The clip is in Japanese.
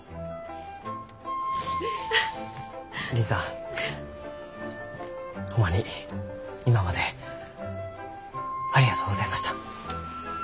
りんさんホンマに今までありがとうございました。